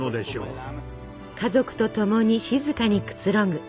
家族とともに静かにくつろぐ。